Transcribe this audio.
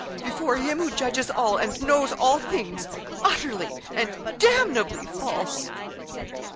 Before Him who judges all, and knows all things utterly and damnably false!'